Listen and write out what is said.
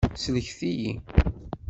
Sellket-iyi!